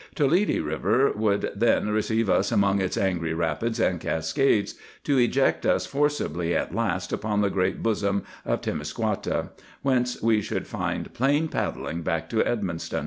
Toledi River would then receive us among its angry rapids and cascades, to eject us forcibly at last upon the great bosom of Temiscouata, whence we should find plain paddling back to Edmundston.